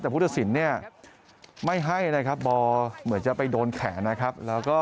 แต่พุทธสินทร์ไม่ให้นะครับ